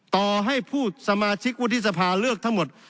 ต่อให้ผู้สมาชิกวุฒิสภาเลือกทั้งหมด